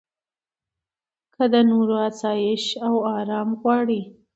که د نورو اسایش او ارام غواړې.